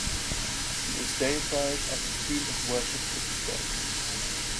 He is deified and his tomb is worshipped to this day.